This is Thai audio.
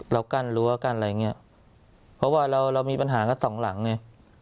เรากั้นหรือว่ากั้นอะไรอย่างเงี้ยเพราะว่าเรามีปัญหาก็สองหลังไง